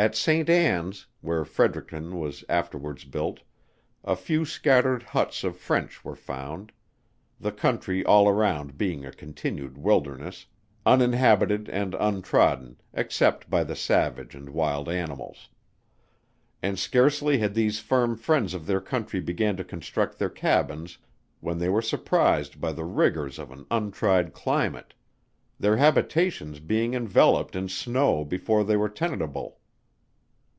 At St. Ann's, where Fredericton was afterwards built, a few scattered huts of French were found; the country all around being a continued wilderness uninhabited and untrodden, except by the savage and wild animals; and scarcely had these firm friends of their country began to construct their cabins, when they were surprised by the rigors of an untried climate: their habitations being enveloped in snow before they were tenantable.